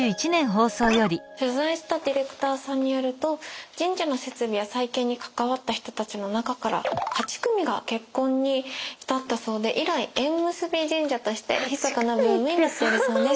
取材したディレクターさんによると神社の設備や再建に関わった人たちの中から８組が結婚に至ったそうで以来縁結び神社としてひそかなブームになっているそうです。